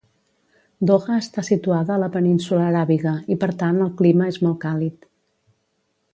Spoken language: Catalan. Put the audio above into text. Doha està situada a la península Aràbiga, i per tant el clima és molt càlid.